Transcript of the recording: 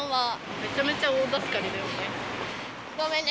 めちゃめちゃ大助かりだよね。